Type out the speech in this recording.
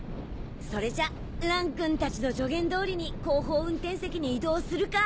それじゃ蘭君たちの助言通りに後方運転席に移動するか。